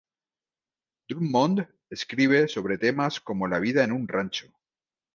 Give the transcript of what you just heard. Drummond Escribe sobre temas como la vida en un rancho.